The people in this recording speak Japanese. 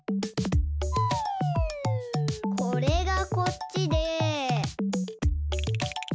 これがこっちで。